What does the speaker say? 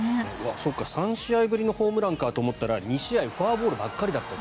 そうか、３試合ぶりのホームランかと思ったら２試合フォアボールばっかりだった。